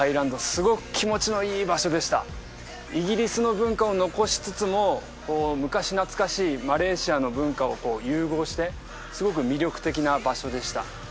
すごく気持ちのいい場所でしたイギリスの文化を残しつつも昔懐かしいマレーシアの文化を融合してすごく魅力的な場所でした